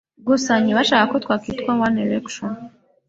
Gusa ntibashakaga ko twakitwa One Erection